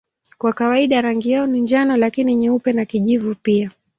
Kwa kawaida rangi yao ni njano lakini nyeupe na kijivu pia.